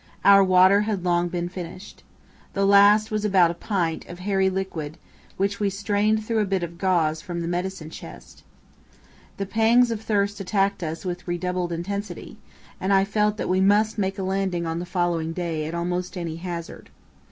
Our water had long been finished. The last was about a pint of hairy liquid, which we strained through a bit of gauze from the medicine chest. The pangs of thirst attacked us with redoubled intensity, and I felt that we must make a landing on the following day at almost any hazard.